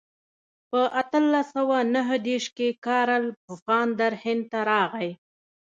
په اتلس سوه نهه دېرش کې کارل پفاندر هند ته راغی.